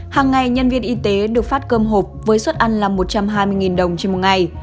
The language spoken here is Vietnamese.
hàng ngày nhân viên y tế được phát cơm hộp với suất ăn là một trăm hai mươi đồng trên một ngày